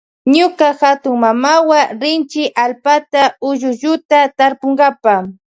Ñuka hatunmamawa rinchi allpama ullulluta tarpunkapa.